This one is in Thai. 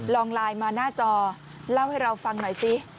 ลองไลน์มาหน้าจอเล่าให้เราฟังหน่อยสิ